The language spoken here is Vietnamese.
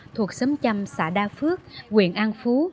thuộc xóm châm xã đa phước quyền an phú